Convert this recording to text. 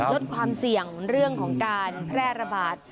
ลดความเสี่ยงเรื่องของการแพร่ระบาด